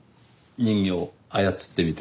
人形を操ってみても。